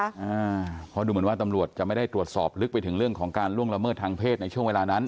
เพราะดูเหมือนว่าตำรวจจะไม่ได้ตรวจสอบลึกไปถึงเรื่องของการล่วงละเมิดทางเพศในช่วงเวลานั้น